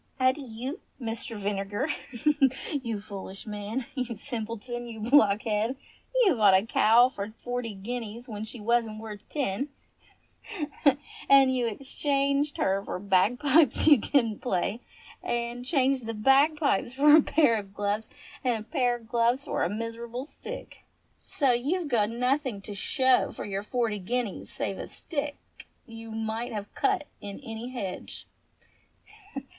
"At yow, Mr. Vinegar, you foolish man — you simpleton — you blockhead ! You bought a cow for forty guineas when she wasn't worth ten, you exchanged her for bagpipes you couldn't play — you changed the bagpipes 202 ENGLISH FAIRY TALES for a pair of gloves, and the pair of gloves for a miserable stick. Ho, ho ! Ha, ha ! So you've nothing to show for your forty guineas save a stick you might have cut in any hedge.